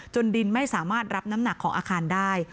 ดินไม่สามารถรับน้ำหนักของอาคารได้